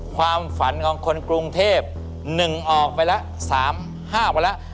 ความฝันของคนกรุงเทพ๑ออกไปแล้ว๓๕วันแล้ว